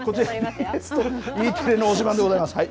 Ｅテレの推しバン！でございます。